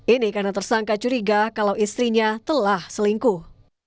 ini karena tersangka curiga kalau istrinya telah selingkuh